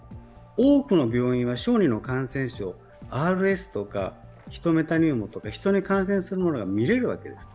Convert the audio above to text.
多くの病院は小児の感染、ＲＳとかヒトメタニューモとか、人に感染するものが診れるわけです。